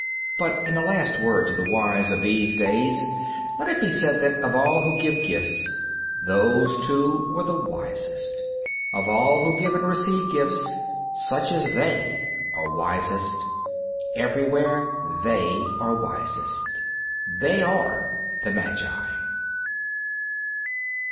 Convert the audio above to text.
But in a last word to the wise of these days let it be said that of all who give gifts these two were the wisest. Of all who give and receive gifts, such as they are wisest. Everywhere they are wisest. They are the magi.